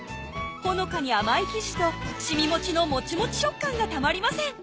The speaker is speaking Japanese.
ほのかに甘い生地と「凍もち」のモチモチ食感がたまりません